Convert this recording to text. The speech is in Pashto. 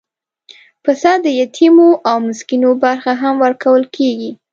پسه د یتیمو او مسکینو برخه هم ورکول کېږي.